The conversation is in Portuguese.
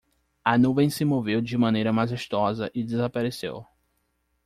A nuvem se moveu de maneira majestosa e desapareceu.